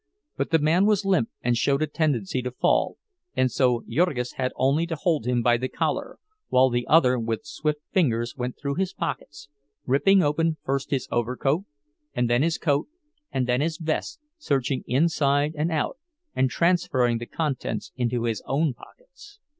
But the man was limp and showed a tendency to fall, and so Jurgis had only to hold him by the collar, while the other, with swift fingers, went through his pockets—ripping open, first his overcoat, and then his coat, and then his vest, searching inside and outside, and transferring the contents into his own pockets.